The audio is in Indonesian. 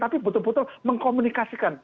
tapi betul betul mengkomunikasikan